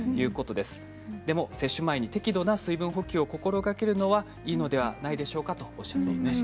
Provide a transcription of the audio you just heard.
でも接種前に適度な水分補給を心がけるのはいいのではないでしょうか、ということでした。